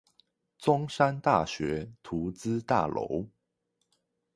中山大學圖資大樓